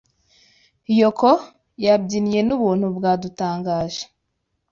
Yoko yabyinnye nubuntu bwadutangaje.